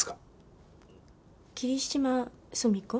霧島澄子？